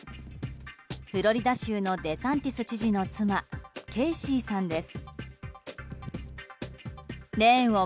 フロリダ州のデサンティス知事の妻、ケイシーさんです。